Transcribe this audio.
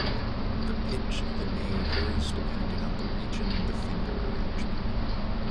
The pitch of the ney varies depending on the region and the finger arrangement.